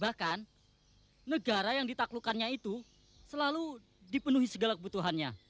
bahkan negara yang ditaklukkannya itu selalu dipenuhi segala kebutuhannya